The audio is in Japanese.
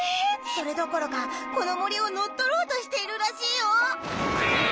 それどころかこのもりをのっとろうとしているらしいよ。